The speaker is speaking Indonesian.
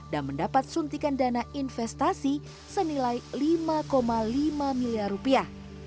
dan mendapat suntikan dana investasi senilai lima lima miliar rupiah